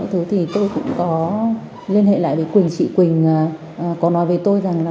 thế thì tôi cũng có liên hệ lại với quỳnh chị quỳnh có nói với tôi rằng là